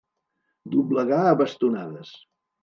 Doblegar a bastonades.